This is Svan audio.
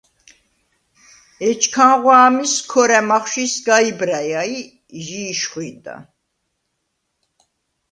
ეჩქანღვ’ ა̄მის ქორა̈ მახვში სგა იბრაჲა ი ჟი იშხვინდა.